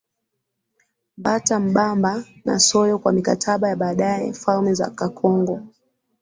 Mbata Mbamba na Soyo Kwa mikataba ya baadaye falme za Kakongo